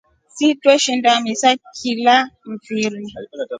Swee tweshinda misa kila mfiri.